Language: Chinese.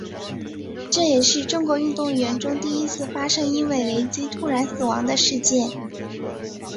这也是中国运动员中第一次发生因为雷击突然死亡的事件。